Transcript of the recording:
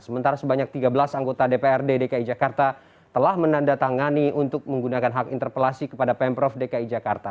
sementara sebanyak tiga belas anggota dprd dki jakarta telah menandatangani untuk menggunakan hak interpelasi kepada pemprov dki jakarta